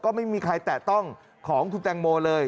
ก็ไม่มีใครแตะต้องของคุณแตงโมเลย